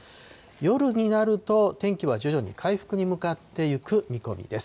夜になると、天気は徐々に回復に向かってゆく見込みです。